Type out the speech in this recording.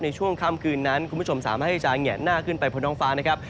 ในช่วงค่ำคืนนั้นคุณผู้ชมสามารถที่จะแงะหน้าขึ้นไปบนท้องฟ้านะครับ